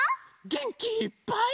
げんきいっぱい。